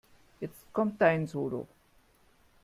Jetzt kommt dein Solo.